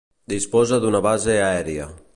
Disposa d'una base aèria.